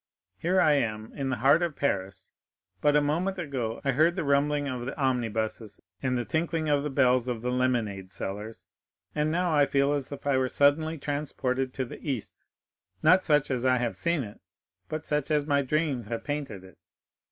Here I am in the heart of Paris; but a moment ago I heard the rumbling of the omnibuses and the tinkling of the bells of the lemonade sellers, and now I feel as if I were suddenly transported to the East; not such as I have seen it, but such as my dreams have painted it.